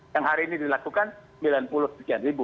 yang hari ini dilakukan sembilan puluh sekian ribu